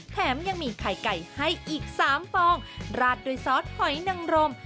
แถมยังมีไข่ไก่ให้อีก๓ฟองราดด้วยซอสหอยนังรม